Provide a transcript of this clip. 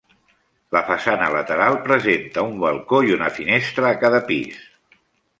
La façana lateral presenta un balcó i una finestra a cada pis.